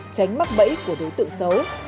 tránh mắc bẫy của đối tượng xấu